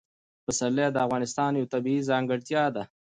پسرلی د افغانستان یوه طبیعي ځانګړتیا ده.